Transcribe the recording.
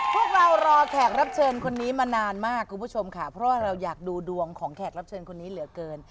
พวกเรารอแขกรับเชิญคนนี้มานานมากคุณผู้ชมค่ะเพราะว่าเราอยากดูดวงของแขกรับเชิญคนนี้เหลือเกิน